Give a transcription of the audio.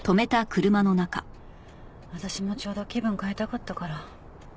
私もちょうど気分変えたかったから。